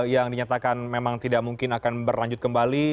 yang dinyatakan memang tidak mungkin akan berlanjut kembali